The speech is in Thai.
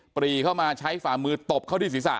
ปรีเข้ามาใช้ฝ่ามือตบเข้าที่ศีรษะ